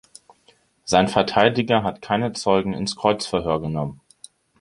Sein Verteidiger hat keine Zeugen ins Kreuzverhör genommen.